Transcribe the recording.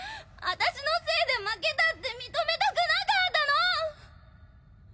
あたしのせいで負けたって認めたくなかったの！